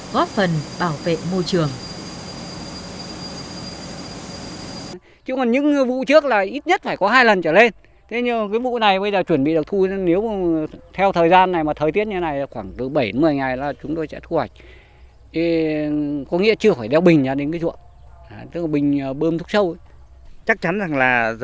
góp phần bảo vệ môi trường